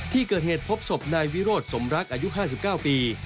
ที่เกิดเหตุพบศพนายวิโรธสมรักอายุ๕๙ปี